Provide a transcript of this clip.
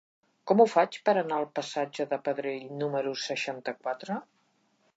Com ho faig per anar al passatge de Pedrell número seixanta-quatre?